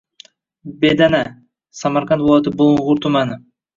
Bedana – q., Samarqad viloyati Bulung‘ur tumani.